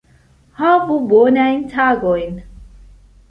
Havu bonajn tagojn!